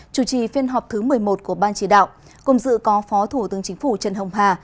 chủ trì phiên họp thứ một mươi một của ban chỉ đạo cùng dự có phó thủ tướng chính phủ trần hồng hà